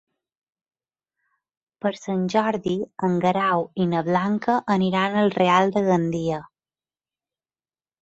Per Sant Jordi en Guerau i na Blanca aniran al Real de Gandia.